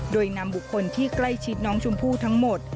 โดยนำบุคคลที่ใกล้ชิดน้องชมพู่ทั้งหมด